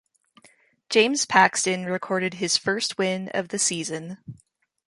James Paxton recorded his first win of the season.